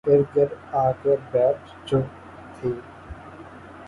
ارد گرد آ کر بیٹھ چکے تھی